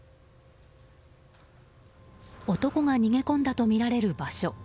男が逃げ込んだとみられる場所。